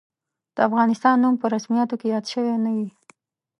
د افغانستان نوم په رسمیاتو کې یاد شوی نه وي.